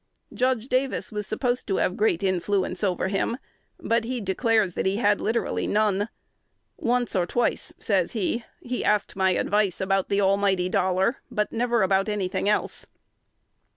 Judge Davis was supposed to have great influence over him; but he declares that he had literally none. "Once or twice," says he, "he asked my advice about the almighty dollar, but never about any thing else."